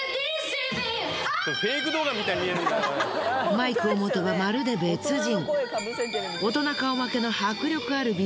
マイクを持てばまるで別人。